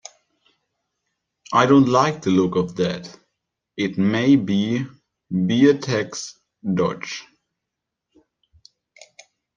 I don't like the look of that. It may be be a tax dodge.